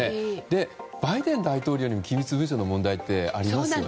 バイデン大統領にも機密文書の問題ありますよね。